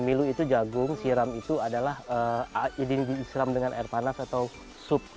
milu itu jagung siram itu adalah diisram dengan air panas atau sup